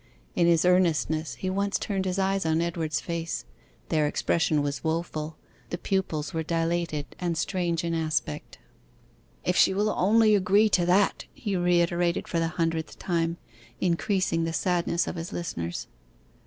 In his earnestness he once turned his eyes on Edward's face: their expression was woful: the pupils were dilated and strange in aspect. 'If she will only agree to that!' he reiterated for the hundredth time, increasing the sadness of his listeners.